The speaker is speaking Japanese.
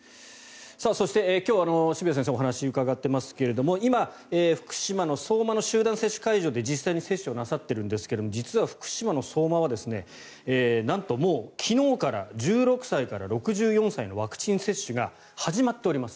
そして、今日は渋谷先生にお話を伺っていますけれど今、福島の相馬の集団接種会場で実際に接種をなさっているんですが実は福島の相馬はなんともう、昨日から１６歳から６４歳へのワクチン接種が始まっております。